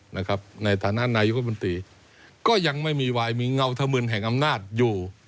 ในฐานะหัวหน้าคอสชก็ยังไม่มีวายมีเงาธมืนแห่งอำนาจอยู่